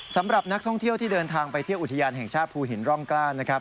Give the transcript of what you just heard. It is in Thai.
สำหรับนักท่องเที่ยวที่เดินทางไปเที่ยวอุทยานแห่งชาติภูหินร่องกล้านะครับ